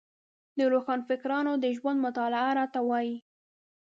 د روښانفکرانو د ژوند مطالعه راته وايي.